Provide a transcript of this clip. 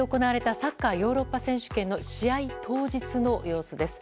サッカーヨーロッパ選手権の試合当日の様子です。